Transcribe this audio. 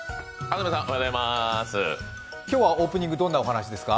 今日はオープニング、どんなお話ですか？